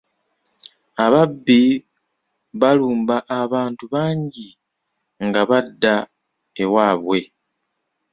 Ababbi balumba abantu bangi nga badda ewaabwe.